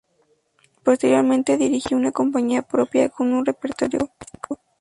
Posteriormente dirigió una compañía propia, con un repertorio clásico.